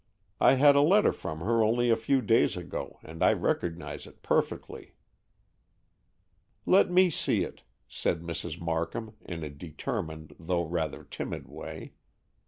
I had a letter from her only a few days ago, and I recognize it perfectly." "Let me see it," said Mrs. Markham, in a determined, though rather timid way.